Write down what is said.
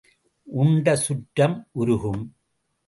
உண்ட சுற்றம் உருகும்.